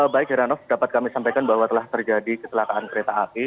baik heranov dapat kami sampaikan bahwa telah terjadi kecelakaan kereta api